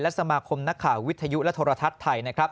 และสมคมนักข่าววิทยุและโทรทัศน์ไทย